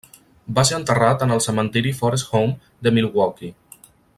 Va ser enterrat en el Cementiri Forest Home de Milwaukee.